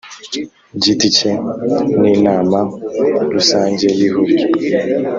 giti cye n inama rusange y ihuriro